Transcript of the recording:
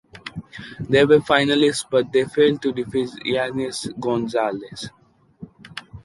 They were finalists, but they failed to defeat Jaslene Gonzalez.